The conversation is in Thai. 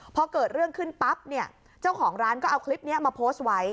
พอเกิดเรื่องขึ้นปั๊บเนี่ยเจ้าของร้านก็เอาคลิปนี้มาโพสต์ไว้